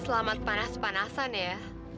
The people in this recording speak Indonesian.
selamat panas panasan ya